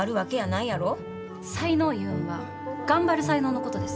才能いうんは頑張る才能のことです。